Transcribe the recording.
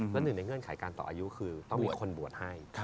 และหนึ่งในเงื่อนไขการต่ออายุคือต้องมีคนบวชให้